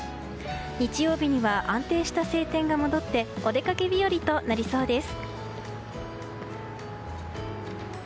日曜日には安定した晴天が戻ってお出かけ日和となりそうです。